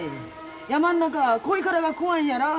山の中はこいからが怖いんやら。